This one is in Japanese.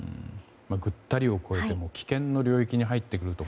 ぐったりを超えて危険の領域に入ってくると。